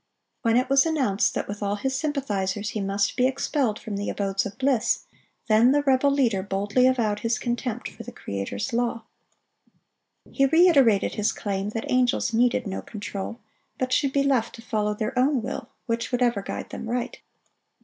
When it was announced that with all his sympathizers he must be expelled from the abodes of bliss, then the rebel leader boldly avowed his contempt for the Creator's law. He reiterated his claim that angels needed no control, but should be left to follow their own will, which would ever guide them right.